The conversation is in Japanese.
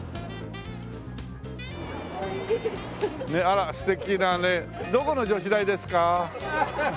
あら素敵なねどこの女子大ですか？